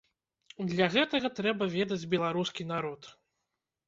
Для гэтага трэба ведаць беларускі народ.